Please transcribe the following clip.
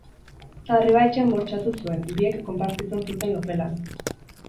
Arreba etxean bortxatu zuen, biek konpartitzen zuten logelan.